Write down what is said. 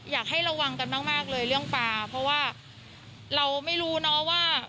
อยากให้ระวังกันมากเลยเรื่องปลาเพราะว่าเราไม่รู้เนอะว่า